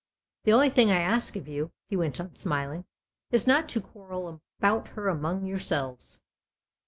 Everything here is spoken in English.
The only thing I ask of you," he went on, smiling, <; is not to quarrel about her among yourselves."